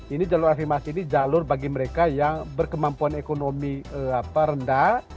ini jalur afirmasi ini jalur bagi mereka yang berkemampuan ekonomi rendah